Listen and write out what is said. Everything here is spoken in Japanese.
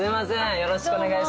よろしくお願いします。